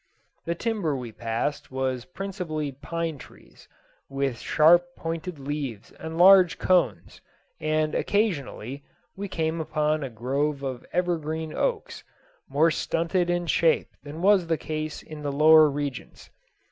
The timber we passed was principally pine trees, with sharp pointed leaves and large cones, and occasionally we came upon a grove of evergreen oaks, more stunted in shape than was the case in the lower regions.